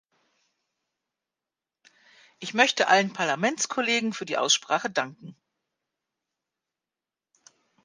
Ich möchte allen Parlamentskollegen für die Aussprache danken.